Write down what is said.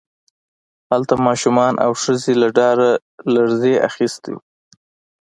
هلته ماشومان او ښځې له ډاره لړزې اخیستي وو